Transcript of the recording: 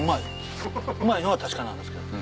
うまいのは確かなんですけど。